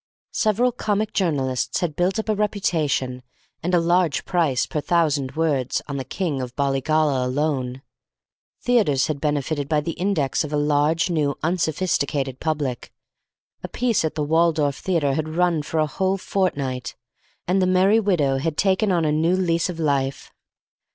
Several comic journalists had built up a reputation and a large price per thousand words on the King of Bollygolla alone. Theatres had benefited by the index of a large, new, unsophisticated public. A piece at the Waldorf Theatre had run for a whole fortnight, and "The Merry Widow" had taken on a new lease of life.